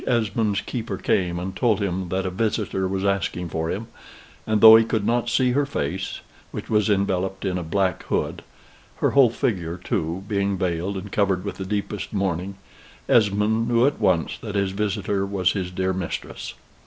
Esmond's keeper came and told him that a visitor was asking for him, and though he could not see her face, which was enveloped in a black hood, her whole figure, too, being veiled and covered with the deepest mourning, Esmond knew at once that his visitor was his dear mistress.